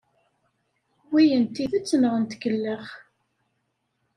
Wi n tidet neɣ n tkellax?